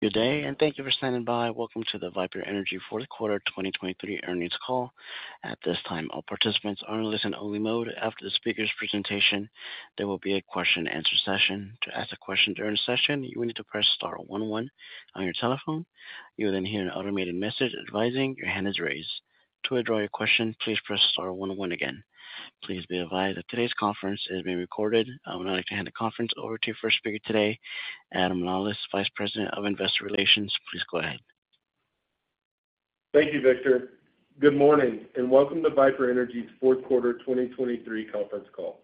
Good day, and thank you for standing by. Welcome to the Viper Energy fourth quarter 2023 earnings call. At this time, all participants are in listen-only mode. After the speaker's presentation, there will be a question-and-answer session. To ask a question during the session, you will need to press star one one on your telephone. You will then hear an automated message advising your hand is raised. To withdraw your question, please press star 11 again. Please be advised that today's conference is being recorded. I would now like to hand the conference over to your first speaker today, Adam Lawlis, Vice President of Investor Relations. Please go ahead. Thank you, Victor. Good morning, and welcome to Viper Energy's fourth quarter 2023 conference call.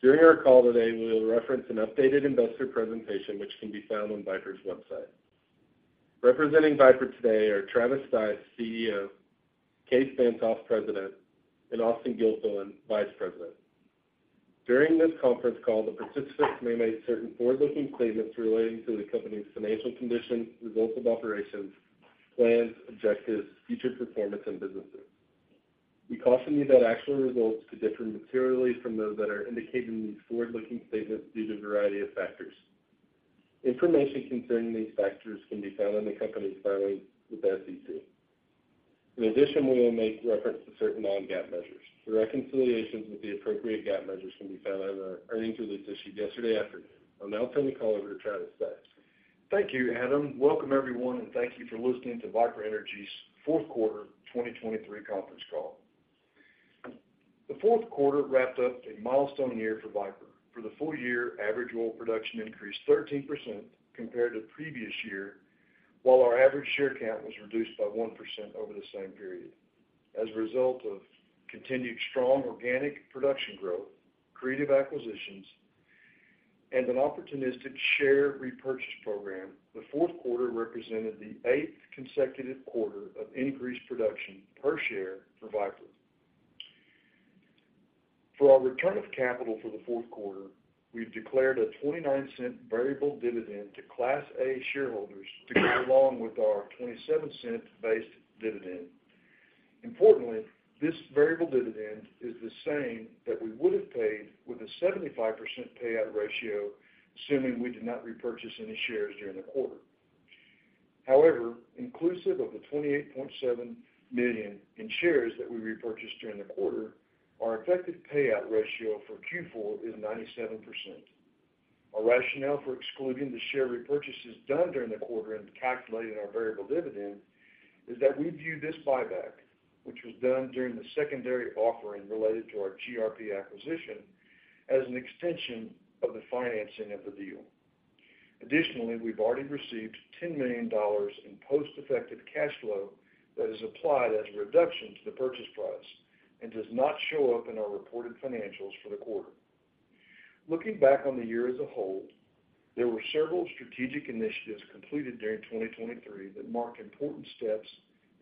During our call today, we will reference an updated investor presentation which can be found on Viper's website. Representing Viper today are Travis Stice, CEO; Kaes Van't Hof, President; and Austen Gilfillian, Vice President. During this conference call, the participants may make certain forward-looking statements relating to the company's financial condition, results of operations, plans, objectives, future performance, and businesses. We caution you that actual results could differ materially from those that are indicated in these forward-looking statements due to a variety of factors. Information concerning these factors can be found in the company's filings with the SEC. In addition, we will make reference to certain non-GAAP measures. The reconciliations with the appropriate GAAP measures can be found in our earnings release issued yesterday afternoon. I'll now turn the call over to Travis Stice. Thank you, Adam. Welcome, everyone, and thank you for listening to Viper Energy's fourth quarter 2023 conference call. The fourth quarter wrapped up a milestone year for Viper. For the full year, average oil production increased 13% compared to previous year, while our average share count was reduced by 1% over the same period. As a result of continued strong organic production growth, creative acquisitions, and an opportunistic share repurchase program, the fourth quarter represented the eighth consecutive quarter of increased production per share for Viper. For our return of capital for the fourth quarter, we've declared a $0.29 variable dividend to Class A shareholders to go along with our $0.27-based dividend. Importantly, this variable dividend is the same that we would have paid with a 75% payout ratio, assuming we did not repurchase any shares during the quarter. However, inclusive of the 28.7 million in shares that we repurchased during the quarter, our effective payout ratio for Q4 is 97%. Our rationale for excluding the share repurchases done during the quarter and calculating our variable dividend is that we view this buyback, which was done during the secondary offering related to our GRP acquisition, as an extension of the financing of the deal. Additionally, we've already received $10 million in post-effective cash flow that is applied as a reduction to the purchase price and does not show up in our reported financials for the quarter. Looking back on the year as a whole, there were several strategic initiatives completed during 2023 that marked important steps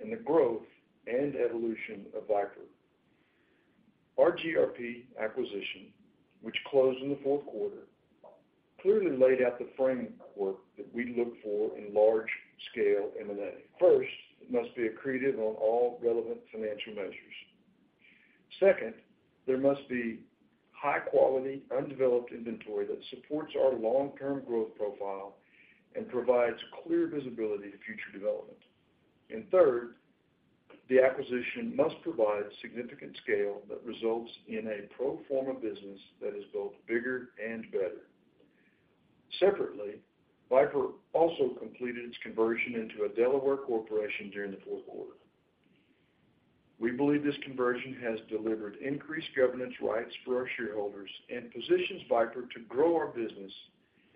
in the growth and evolution of Viper. Our GRP acquisition, which closed in the fourth quarter, clearly laid out the framework that we look for in large-scale M&A. First, it must be accretive on all relevant financial measures. Second, there must be high-quality, undeveloped inventory that supports our long-term growth profile and provides clear visibility to future development. And third, the acquisition must provide significant scale that results in a pro forma business that is built bigger and better. Separately, Viper also completed its conversion into a Delaware corporation during the fourth quarter. We believe this conversion has delivered increased governance rights for our shareholders and positions Viper to grow our business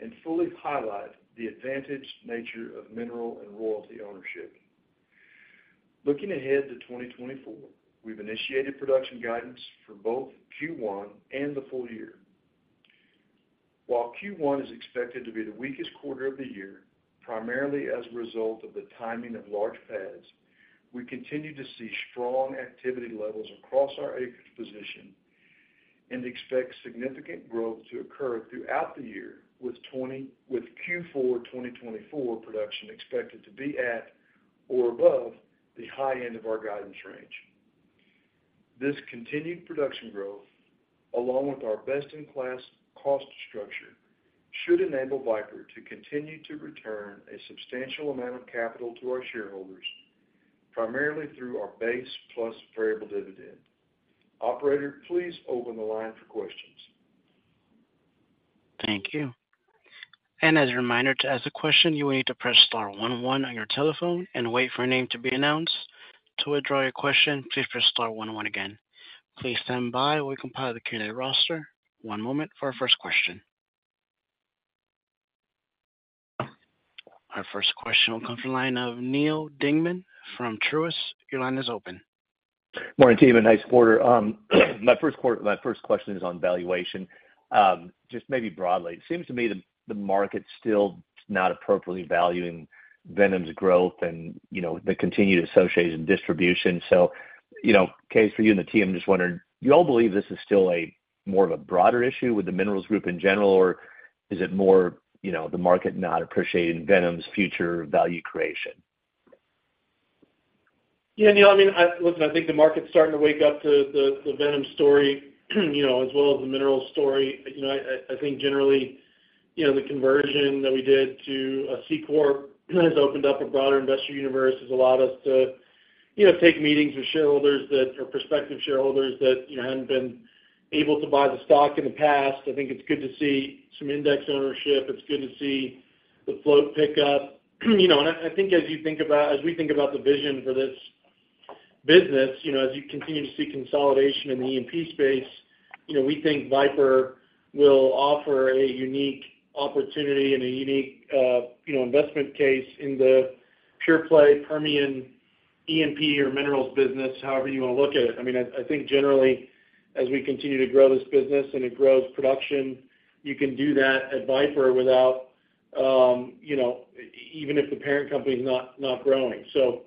and fully highlight the advantaged nature of mineral and royalty ownership. Looking ahead to 2024, we've initiated production guidance for both Q1 and the full year. While Q1 is expected to be the weakest quarter of the year, primarily as a result of the timing of large pads, we continue to see strong activity levels across our acreage position and expect significant growth to occur throughout the year, with Q4 2024 production expected to be at or above the high end of our guidance range. This continued production growth, along with our best-in-class cost structure, should enable Viper to continue to return a substantial amount of capital to our shareholders, primarily through our base plus variable dividend. Operator, please open the line for questions. Thank you. As a reminder, to ask a question, you will need to press star one one on your telephone and wait for your name to be announced. To withdraw your question, please press star one one again. Please stand by. We'll compile the candidate roster. One moment for our first question. Our first question will come from the line of Neal Dingmann from Truist. Your line is open. Morning, team. And hey, supporters. My first question is on valuation. Just maybe broadly, it seems to me the market's still not appropriately valuing Viper's growth and, you know, the continued acquisitions and distribution. So, you know, Kaes, for you and the team, I'm just wondering, do you all believe this is still more of a broader issue with the minerals group in general, or is it more, you know, the market not appreciating Viper's future value creation? Yeah, Neil. I mean, I listen, I think the market's starting to wake up to the VNOM story, you know, as well as the minerals story. You know, I think generally, you know, the conversion that we did to a C-Corp has opened up a broader investor universe. It's allowed us to, you know, take meetings with shareholders that or prospective shareholders that, you know, hadn't been able to buy the stock in the past. I think it's good to see some index ownership. It's good to see the float pick up. You know, and I think as you think about as we think about the vision for this business, you know, as you continue to see consolidation in the E&P space, you know, we think Viper will offer a unique opportunity and a unique, you know, investment case in the pure-play Permian E&P or minerals business, however you want to look at it. I mean, I think generally, as we continue to grow this business and it grows production, you can do that at Viper without, you know, even if the parent company's not growing. So,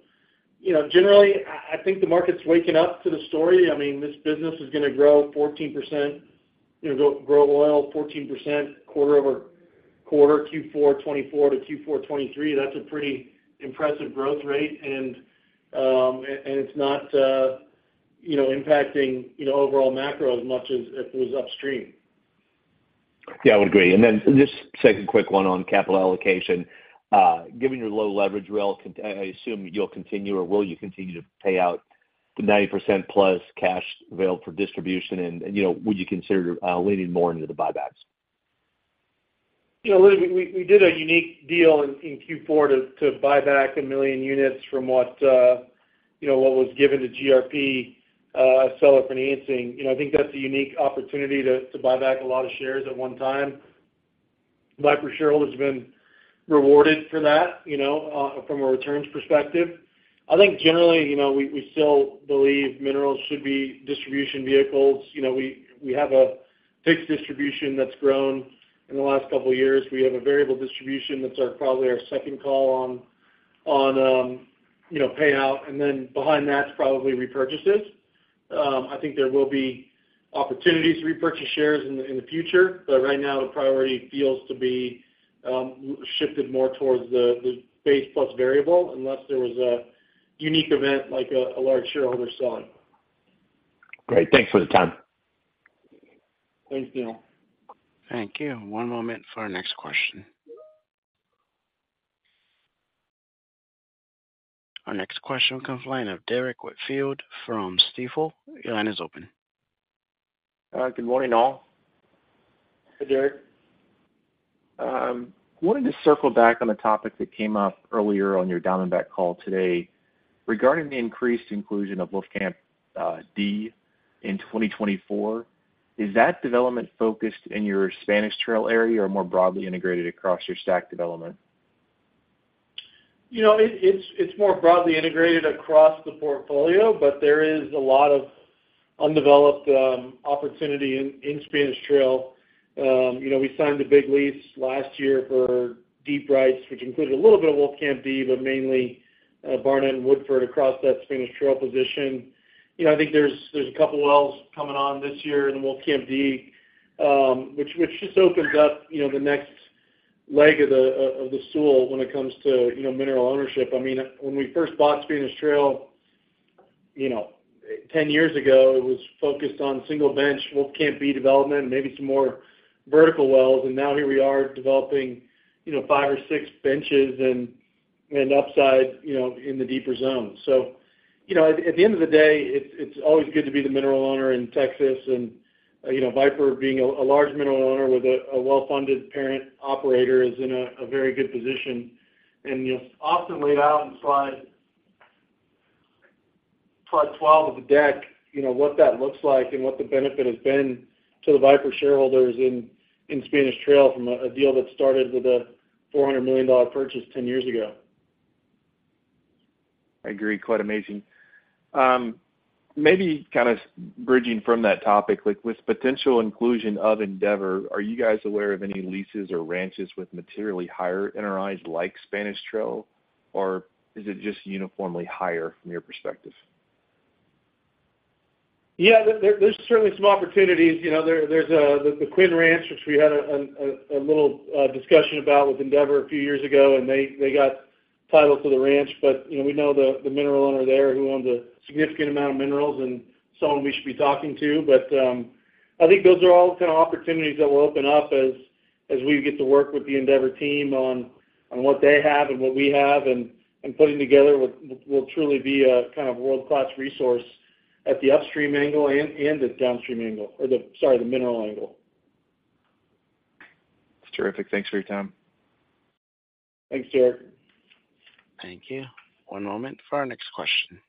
you know, generally, I think the market's waking up to the story. I mean, this business is going to grow 14%, you know, grow oil 14% quarter-over-quarter, Q4 2024-Q4 2023. That's a pretty impressive growth rate. And it's not, you know, impacting, you know, overall macro as much as it was upstream. Yeah, I would agree. And then just second quick one on capital allocation. Given your low leverage, will I assume you'll continue or will you continue to pay out the 90% plus cash available for distribution? And, you know, would you consider leaning more into the buybacks? You know, listen, we did a unique deal in Q4 to buy back 1 million units from what, you know, what was given to GRP, seller financing. You know, I think that's a unique opportunity to buy back a lot of shares at one time. Viper shareholders have been rewarded for that, you know, from a returns perspective. I think generally, you know, we still believe minerals should be distribution vehicles. You know, we have a fixed distribution that's grown in the last couple of years. We have a variable distribution that's probably our second call on, you know, payout. And then behind that's probably repurchases. I think there will be opportunities to repurchase shares in the future, but right now, the priority feels to be, shifted more towards the base plus variable unless there was a unique event like a large shareholder selling. Great. Thanks for the time. Thanks, Neil. Thank you. One moment for our next question. Our next question will come from the line of Derrick Whitfield from Stifel. Your line is open. Good morning, all. Hey, Derrick. Wanted to circle back on a topic that came up earlier on your Diamondback call today. Regarding the increased inclusion of Wolfcamp D in 2024, is that development focused in your Spanish Trail area or more broadly integrated across your stack development? You know, it's more broadly integrated across the portfolio, but there is a lot of undeveloped opportunity in Spanish Trail. You know, we signed a big lease last year for Deep Rights, which included a little bit of Wolfcamp D, but mainly Barnett and Woodford across that Spanish Trail position. You know, I think there's a couple of wells coming on this year in the Wolfcamp D, which just opens up, you know, the next leg of the stool when it comes to, you know, mineral ownership. I mean, when we first bought Spanish Trail, you know, 10 years ago, it was focused on single-bench Wolfcamp D development, maybe some more vertical wells. And now here we are developing, you know, five or six benches and upside, you know, in the deeper zone. So, you know, at the end of the day, it's always good to be the mineral owner in Texas. You know, Viper being a large mineral owner with a well-funded parent operator is in a very good position. And you'll often lay out in slide 12 of the deck, you know, what that looks like and what the benefit has been to the Viper shareholders in Spanish Trail from a deal that started with a $400 million purchase 10 years ago. I agree. Quite amazing. Maybe kind of bridging from that topic, like with potential inclusion of Endeavor, are you guys aware of any leases or ranches with materially higher NRIs like Spanish Trail, or is it just uniformly higher from your perspective? Yeah, there's certainly some opportunities. You know, there's the Guinn Ranch, which we had a little discussion about with Endeavor a few years ago, and they got title to the ranch. But, you know, we know the mineral owner there who owns a significant amount of minerals and someone we should be talking to. But, I think those are all kind of opportunities that will open up as we get to work with the Endeavor team on what they have and what we have. And putting together will truly be a kind of world-class resource at the upstream angle and the downstream angle or the, sorry, the mineral angle. That's terrific. Thanks for your time. Thanks, Derek. Thank you. One moment for our next question.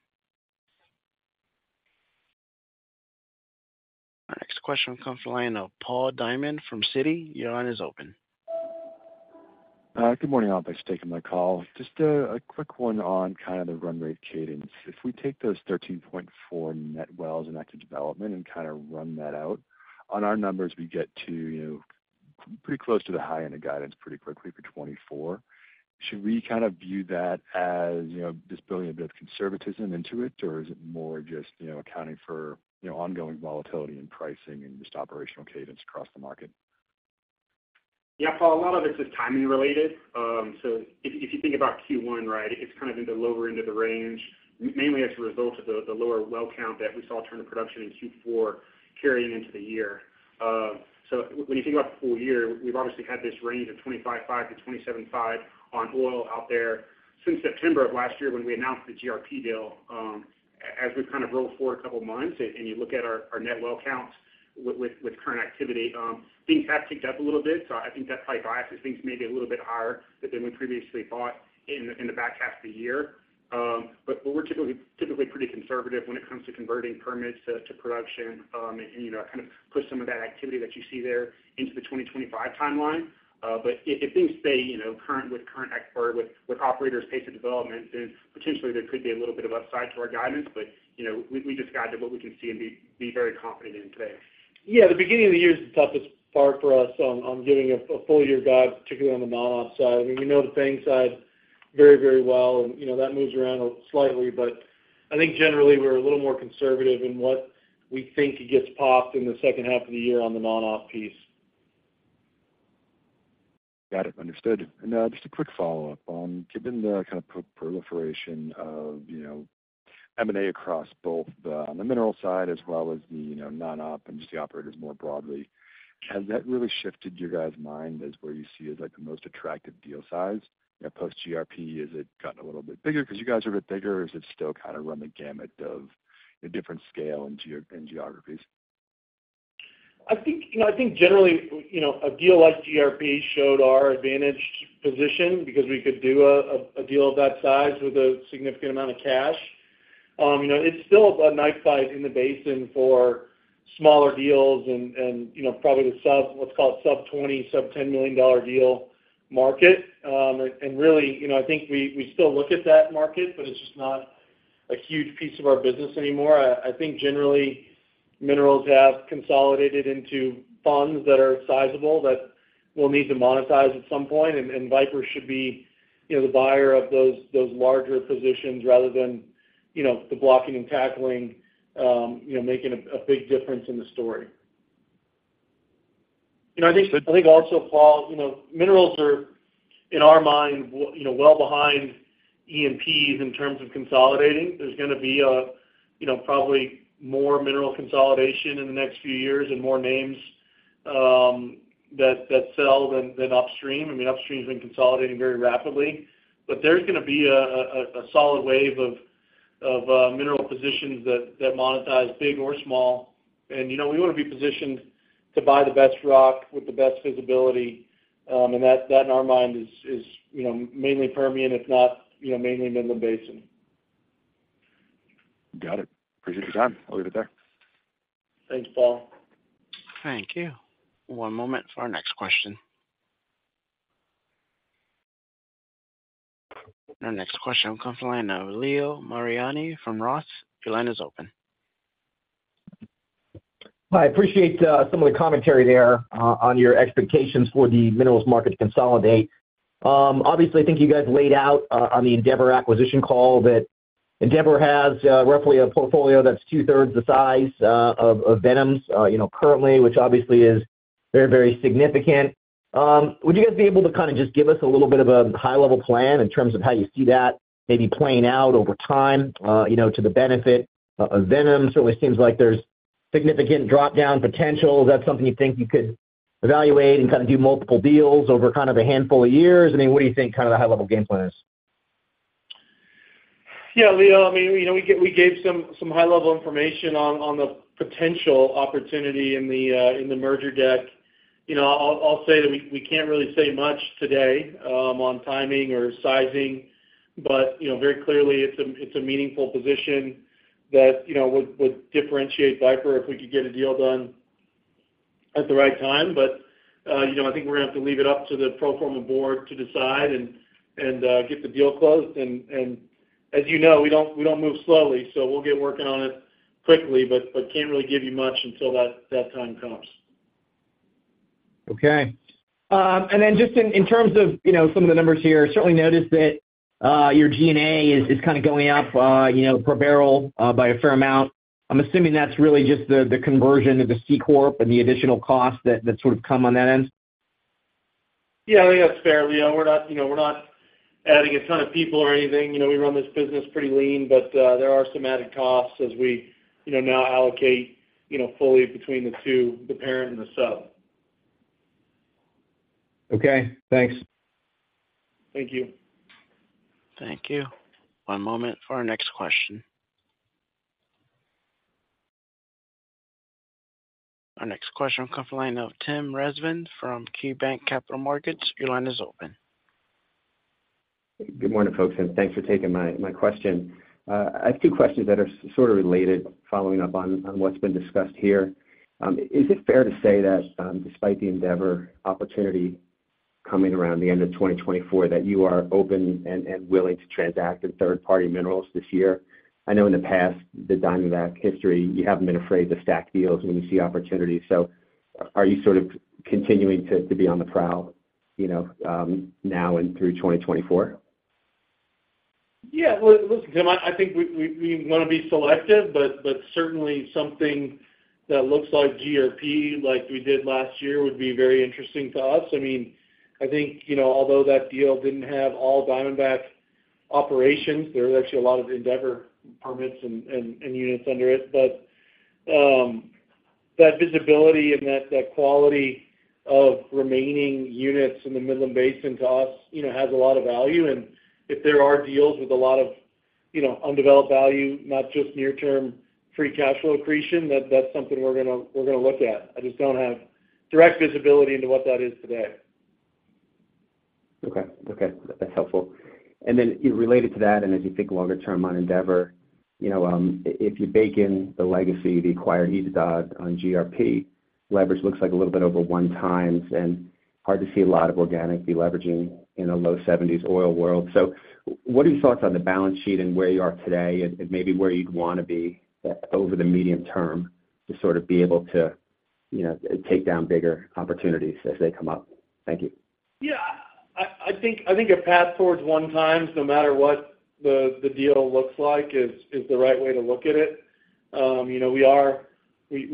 Our next question will come from the line of Paul Diamond from Citi. Your line is open. Good morning, all. Thanks for taking my call. Just a quick one on kind of the run rate cadence. If we take those 13.4 net wells in active development and kind of run that out, on our numbers, we get to, you know, pretty close to the high-end of guidance pretty quickly for 2024. Should we kind of view that as, you know, just building a bit of conservatism into it, or is it more just, you know, accounting for ongoing volatility in pricing and just operational cadence across the market? Yeah, Paul, a lot of it's just timing-related. So if you think about Q1, right, it's kind of in the lower end of the range, mainly as a result of the lower well count that we saw turn to production in Q4 carrying into the year. So when you think about the full year, we've obviously had this range of 25.5-27.5 on oil out there since September of last year when we announced the GRP deal. As we've kind of rolled forward a couple of months and you look at our net well counts with current activity, things have picked up a little bit. So I think that probably biases things maybe a little bit higher than we previously thought in the back half of the year. But we're typically pretty conservative when it comes to converting permits to production. You know, I kind of push some of that activity that you see there into the 2025 timeline. But if things stay, you know, current with current or with operators' pace of development, then potentially there could be a little bit of upside to our guidance. But, you know, we just guide to what we can see and be very confident in today. Yeah, the beginning of the year is the toughest part for us on giving a full-year guide, particularly on the non-op side. I mean, we know the op side very, very well, and, you know, that moves around slightly. But I think generally, we're a little more conservative in what we think gets popped in the second half of the year on the non-op piece. Got it. Understood. And, just a quick follow-up. Given the kind of proliferation of, you know, M&A across both the mineral side as well as the non-op and just the operators more broadly, has that really shifted your guys' mind as where you see as the most attractive deal size? You know, post-GRP, has it gotten a little bit bigger because you guys are a bit bigger, or has it still kind of run the gamut of different scale and geographies? I think, you know, I think generally, you know, a deal like GRP showed our advantaged position because we could do a deal of that size with a significant amount of cash. You know, it's still a knife fight in the basin for smaller deals and, you know, probably the sub what's called sub-$20 million, sub-$10 million dollar deal market. Really, you know, I think we still look at that market, but it's just not a huge piece of our business anymore. I think generally, minerals have consolidated into funds that are sizable that we'll need to monetize at some point. Viper should be, you know, the buyer of those larger positions rather than, you know, the blocking and tackling, you know, making a big difference in the story. You know, I think also, Paul, you know, minerals are in our mind, you know, well behind E&Ps in terms of consolidating. There's going to be a, you know, probably more mineral consolidation in the next few years and more names that sell than upstream. I mean, upstream's been consolidating very rapidly. But there's going to be a solid wave of mineral positions that monetize big or small. And, you know, we want to be positioned to buy the best rock with the best visibility. And that, in our mind, is mainly Permian, if not mainly Midland Basin. Got it. Appreciate your time. I'll leave it there. Thanks, Paul. Thank you. One moment for our next question. Our next question will come from the line of Leo Mariani from Roth. Your line is open. Hi. Appreciate some of the commentary there on your expectations for the minerals market to consolidate. Obviously, I think you guys laid out on the Endeavor acquisition call that Endeavor has roughly a portfolio that's two-thirds the size of VNOM currently, which obviously is very, very significant. Would you guys be able to kind of just give us a little bit of a high-level plan in terms of how you see that maybe playing out over time, you know, to the benefit of VNOM? Certainly, it seems like there's significant drop-down potential. Is that something you think you could evaluate and kind of do multiple deals over kind of a handful of years? I mean, what do you think kind of the high-level game plan is? Yeah, Leo. I mean, you know, we gave some high-level information on the potential opportunity in the merger deck. You know, I'll say that we can't really say much today on timing or sizing. But, you know, very clearly, it's a meaningful position that would differentiate Viper if we could get a deal done at the right time. But, you know, I think we're going to have to leave it up to the pro forma board to decide and get the deal closed. And as you know, we don't move slowly, so we'll get working on it quickly but can't really give you much until that time comes. Okay. Just in terms of some of the numbers here, I certainly noticed that your G&A is kind of going up, you know, per barrel by a fair amount. I'm assuming that's really just the conversion of the C-Corp and the additional costs that sort of come on that end? Yeah, I think that's fair, Leo. We're not adding a ton of people or anything. You know, we run this business pretty lean, but there are some added costs as we now allocate fully between the two, the parent and the sub. Okay. Thanks. Thank you. Thank you. One moment for our next question. Our next question will come from the line of Tim Rezvan from KeyBanc Capital Markets. Your line is open. Good morning, folks, and thanks for taking my question. I have two questions that are sort of related following up on what's been discussed here. Is it fair to say that despite the Endeavor opportunity coming around the end of 2024, that you are open and willing to transact in third-party minerals this year? I know in the past, the Diamondback history, you haven't been afraid to stack deals when you see opportunities. So are you sort of continuing to be on the prowl, you know, now and through 2024? Yeah. Listen, Tim, I think we want to be selective, but certainly, something that looks like GRP like we did last year would be very interesting to us. I mean, I think although that deal didn't have all Diamondback operations, there was actually a lot of Endeavor permits and units under it, but that visibility and that quality of remaining units in the Midland Basin to us has a lot of value. If there are deals with a lot of undeveloped value, not just near-term free cash flow accretion, that's something we're going to look at. I just don't have direct visibility into what that is today. Okay. Okay. That's helpful. And then related to that, and as you think longer-term on Endeavor, if you bake in the legacy, the acquired add-on on GRP, leverage looks like a little bit over one times and hard to see a lot of organic deleveraging in a low-$70s oil world. So what are your thoughts on the balance sheet and where you are today and maybe where you'd want to be over the medium term to sort of be able to take down bigger opportunities as they come up? Thank you. Yeah. I think a path towards one times, no matter what the deal looks like, is the right way to look at it. You know, we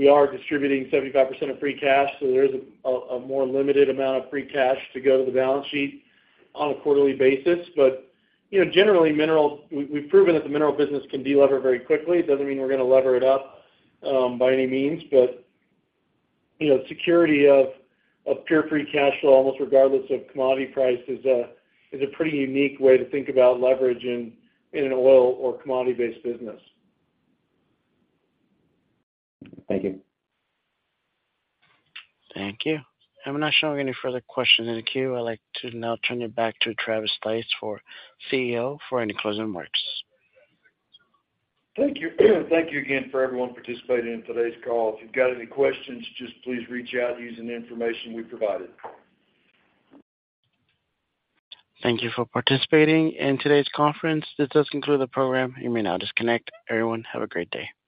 are distributing 75% of free cash, so there is a more limited amount of free cash to go to the balance sheet on a quarterly basis. But generally, we've proven that the mineral business can de-lever very quickly. It doesn't mean we're going to lever it up by any means. But security of pure free cash flow, almost regardless of commodity price, is a pretty unique way to think about leverage in an oil or commodity-based business. Thank you. Thank you. I'm not showing any further questions in the queue. I'd like to now turn you back to Travis Stice, our CEO, for any closing remarks. Thank you. Thank you again for everyone participating in today's call. If you've got any questions, just please reach out using the information we provided. Thank you for participating in today's conference. This does conclude the program. You may now disconnect. Everyone, have a great day.